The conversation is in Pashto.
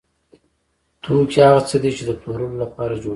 توکي هغه څه دي چې د پلورلو لپاره جوړیږي.